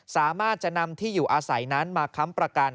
สามารถจะนำที่อยู่อาศัยนั้นมาค้ำประกัน